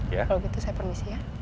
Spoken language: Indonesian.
kalau gitu saya permisi ya